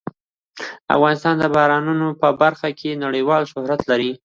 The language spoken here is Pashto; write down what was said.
افغانستان د بارانونو په برخه کې نړیوال شهرت لري.